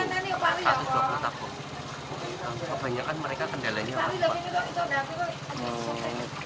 kebanyakan mereka kendalanya apa